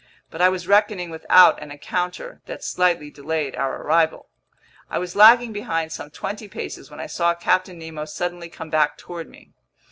But I was reckoning without an encounter that slightly delayed our arrival. I was lagging behind some twenty paces when I saw Captain Nemo suddenly come back toward me.